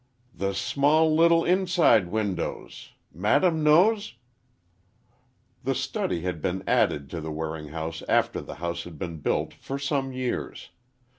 "The small little inside windows. Madam knows?" The study had been added to the Waring house after the house had been built for some years.